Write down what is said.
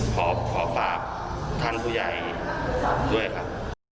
ขอฝากท่านผู้ใหญ่ด้วยครับ